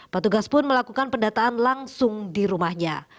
petugas pun melakukan pendataan langsung di rumahnya